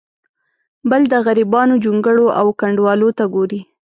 بل د غریبانو جونګړو او کنډوالو ته ګوري.